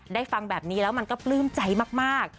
ฟังแบบนี้แล้วมันก็ปลื้มใจมาก